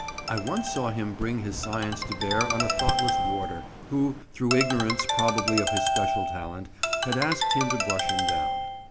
I once saw him bring his science to bear on a thoughtless warder, who, through ignorance probably of his special talent, had asked him to brush him down.